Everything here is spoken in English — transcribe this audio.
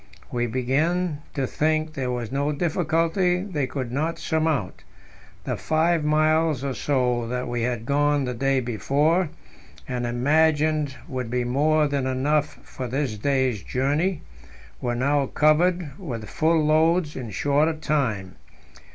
We began to think there was no difficulty they could not surmount; the five miles or so that we had gone the day before, and imagined would be more than enough for this day's journey, were now covered with full loads in shorter time.